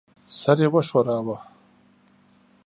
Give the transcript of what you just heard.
سر یې وښوراوه.